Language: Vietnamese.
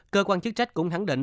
cơ quan chức trách cũng hẳn định